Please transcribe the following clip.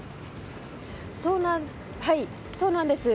そうなんです。